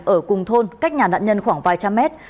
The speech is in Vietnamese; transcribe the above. ở cùng thôn cách nhà nạn nhân khoảng vài trăm mét